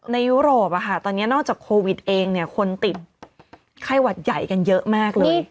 ยุโรปตอนนี้นอกจากโควิดเองคนติดไข้หวัดใหญ่กันเยอะมากเลย